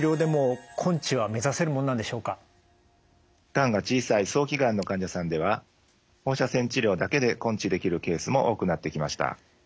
がんが小さい早期がんの患者さんでは放射線治療だけで根治できるケースも多くなってきました。